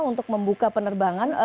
untuk membuka penelitian